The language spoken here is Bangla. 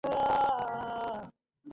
না, আমিও বুঝতে পারছি না।